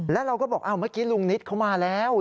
แล้วเราก็บอกเมื่อกี้ลุงนิดเขามาแล้ว